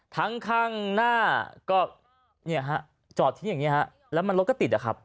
ข้างหน้าก็เนี่ยฮะจอดทิ้งอย่างนี้ฮะแล้วมันรถก็ติดอะครับ